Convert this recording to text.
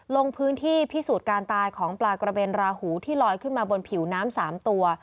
ลงพื้นที่พิสูจน์การตายของปลากระเบนราหูที่ลอยขึ้นมาบนผิวน้ำ๓ตัว